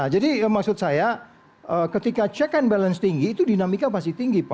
jadi maksud saya ketika check and balance tinggi itu dinamika pasti tinggi pak